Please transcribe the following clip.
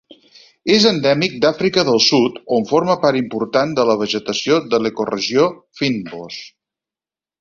És endèmic d'Àfrica del Sud on forma part important de la vegetació de l'ecoregió fynbos.